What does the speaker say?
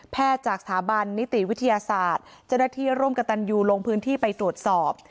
จากสถาบันนิติวิทยาศาสตร์เจ้าหน้าที่ร่วมกับตันยูลงพื้นที่ไปตรวจสอบ